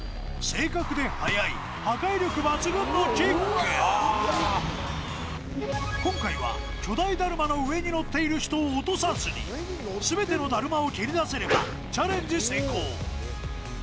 正確で速い破壊力抜群のキック今回は巨大だるまの上に乗っている人を落とさずに全てのだるまを蹴り出せればチャレンジ成功